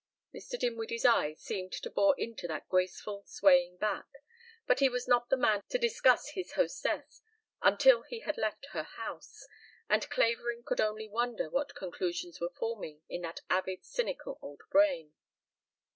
Mr. Dinwiddie's eyes seemed to bore into that graceful swaying back, but he was not the man to discuss his hostess until he had left her house, and Clavering could only wonder what conclusions were forming in that avid cynical old brain.